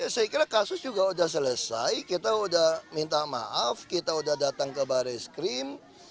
saya kira kasus juga sudah selesai kita sudah minta maaf kita sudah datang ke baris krim